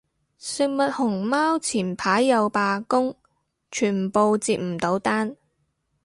食物熊貓前排又罷工，全部接唔到單